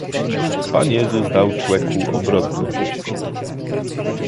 "Pan Jezus dał człeku obrotność..."